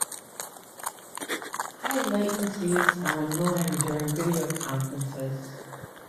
High latencies are annoying during video conferences.